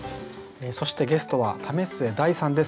そしてゲストは為末大さんです。